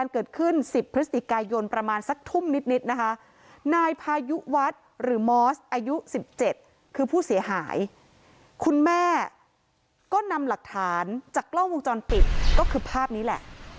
คุณแม่ก็นำหลักฐานจากกล้องวงจรปิดก็คือภาพนี้แหละ